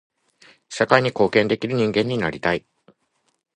社会に貢献できる人間になりたい。